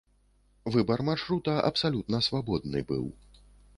Выбар маршрута абсалютна свабодны быў.